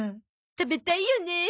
食べたいよね。